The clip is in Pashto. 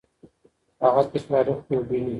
هغه تکراري خوب ویني.